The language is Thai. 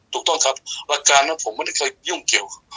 ถูกต้องครับหลักการนั้นผมไม่ได้เคยยุ่งเกี่ยว